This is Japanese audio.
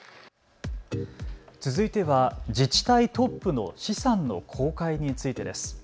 続いては自治体トップの資産の公開についてです。